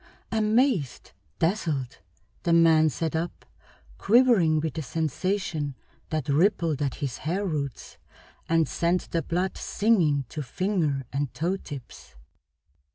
Amazed, dazzled, the man sat up, quivering with a sensation that rippled at his hair roots and sent the blood singing to finger and toe tips.